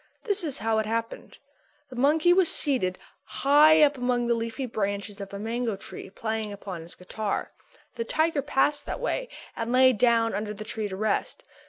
This is how it happened. The monkey was seated high up among the leafy branches of a mango tree playing upon his guitar. The tiger passed that way and lay down under the tree to rest.